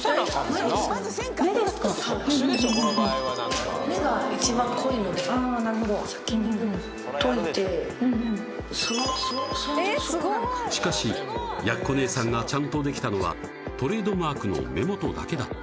すごいしかし奴姉さんがちゃんとできたのはトレードマークの目元だけだった